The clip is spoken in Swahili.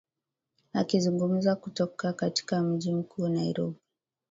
akizungumza kutoka katika mji mkuu nairobi